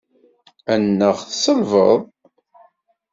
Anaɣ tselbeḍ?